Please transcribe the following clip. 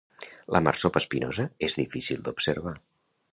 La marsopa espinosa és difícil d'observar.